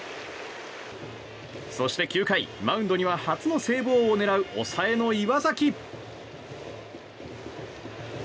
そして９回、マウンドには初のセーブ王を狙う抑えの岩崎。